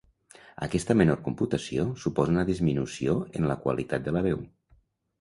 Aquesta menor computació suposa una disminució en la qualitat de la veu.